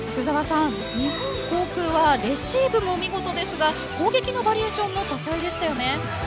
日本航空はレシーブも見事ですが攻撃のバリエーションも多彩でしたよね。